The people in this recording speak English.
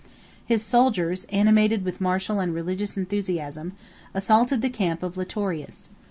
His soldiers, animated with martial and religious enthusiasm, assaulted the camp of Litorius.